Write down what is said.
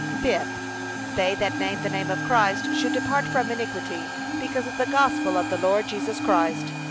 Fifth, They that name the name of Christ should depart from iniquity, because of the gospel of the Lord Jesus Christ.